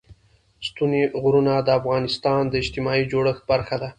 ستوني غرونه د افغانستان د اجتماعي جوړښت برخه ده.